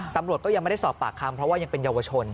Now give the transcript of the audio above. ตำรวจก็ยังไม่ได้สอบปากคำเพราะว่ายังเป็นเยาวชน